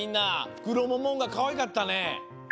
フクロモモンガかわいかったね。